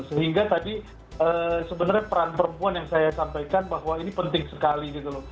sehingga tadi sebenarnya peran perempuan yang saya sampaikan bahwa ini penting sekali gitu loh